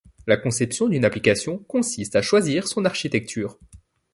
La conception d'une application consiste à choisir son architecture.